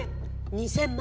２，０００万。